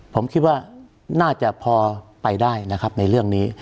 ผมคิดว่าน่าจะพอไปได้นะครับในเรื่องนี้